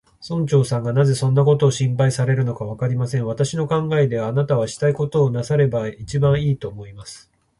村長さんがなぜそんなことを心配されるのか、わかりません。私の考えでは、あなたはしたいことをなさればいちばんいい、と思います。